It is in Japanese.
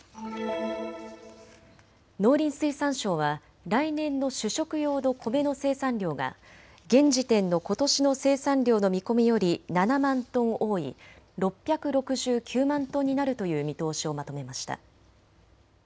農林水産省は来年の主食用のコメの生産量が現時点のことしの生産量の見込みより７万トン多い６６９万トンになるという見通しをまとめました。